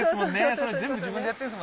それ全部自分でやってるんですもんね。